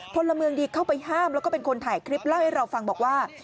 พลเมืองดีเข้าไปห้ามแล้วก็เป็นคนถ่ายคลิปเล่าให้เราฟังบอกว่า